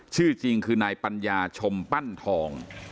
ชื่อจริงคือนายปัญญาชมปั้นทอง